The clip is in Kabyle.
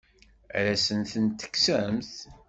Ad asen-ten-tekksemt?